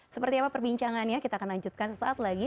seperti apa perbincangannya kita akan lanjutkan sesaat lagi